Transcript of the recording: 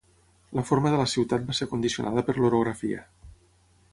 La forma de la ciutat va ser condicionada per l'orografia.